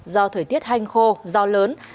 do thời tiết hanh khô do lớn